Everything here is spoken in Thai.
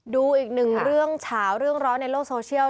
ดูอีกหนึ่งเรื่องเฉาเรื่องร้อนในโลกโซเชียล